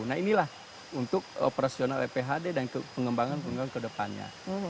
nah inilah untuk operasional lphd dan pengembangan pengembangan kedepannya